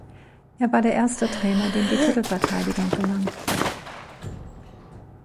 Er war der erste Trainer, dem die Titelverteidigung gelang.